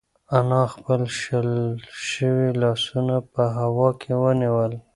انا خپل شل شوي لاسونه په هوا کې ونیول.